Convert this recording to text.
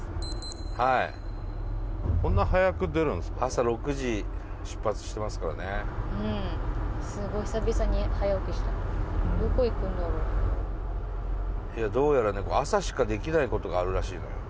はいこんな早く出るんですか朝６時出発してますからねうんすごい久々に早起きしたいやどうやらね朝しかできないことがあるらしいのよ